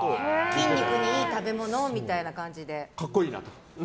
筋肉にいい食べ物みたいな感じで。